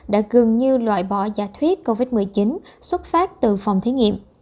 đã gần như loại bỏ giả thuyết covid một mươi chín xuất phát từ phòng thí nghiệm